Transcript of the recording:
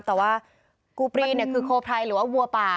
แต่ว่ากูปรีเนี่ยคือโคไพรหรือว่าวัวป่า